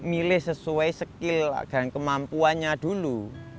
milih sesuai skill dan kemampuannya dulu